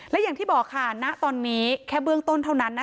และอย่างที่บอกค่ะณตอนนี้แค่เบื้องต้นเท่านั้น